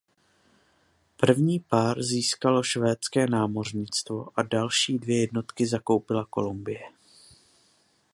První pár získalo švédské námořnictvo a další dvě jednotky zakoupila Kolumbie.